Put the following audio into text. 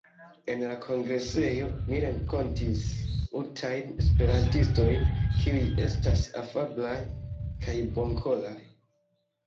En la kongresejo mi renkontis multajn esperantistojn, kiuj estas afablaj kaj bonkoraj.